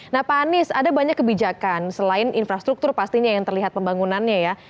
nah pak anies ada banyak kebijakan selain infrastruktur pastinya yang terlihat pembangunannya ya